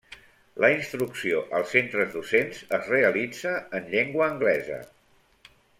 La instrucció als centres docents es realitza en llengua anglesa.